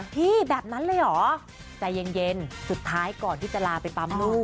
พี่แบบนั้นเลยเหรอใจเย็นสุดท้ายก่อนที่จะลาไปปั๊มลูก